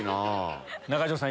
中条さん